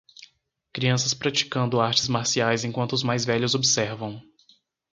Crianças praticando artes marciais enquanto os mais velhos observam.